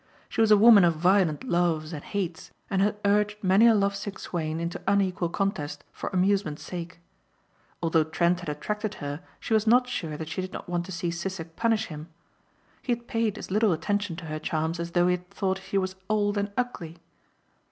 She was a woman of violent loves and hates and had urged many a love sick swain into unequal contest for amusement's sake. Although Trent had attracted her she was not sure that she did not want to see Sissek punish him. He had paid as little attention to her charms as though he thought she was old and ugly.